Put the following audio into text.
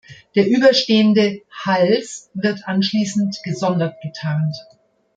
Der überstehende "Hals" wird anschließend gesondert getarnt.